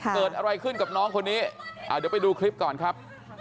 เกิดอะไรขึ้นกับน้องคนนี้เดี๋ยวไปดูคลิปก่อนครับ